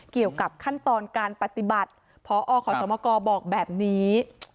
เกี่ยวกับขั้นตอนการปฏิบัติพอขอสมกบอกแบบนี้